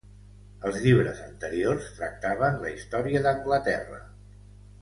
Els llibres anteriors tractaven la història d'Anglaterra.